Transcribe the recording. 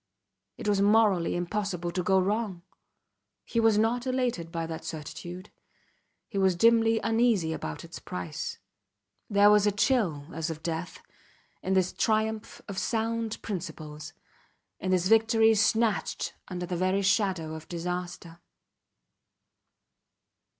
It was morally impossible to go wrong. He was not elated by that certitude; he was dimly uneasy about its price; there was a chill as of death in this triumph of sound principles, in this victory snatched under the very shadow of disaster.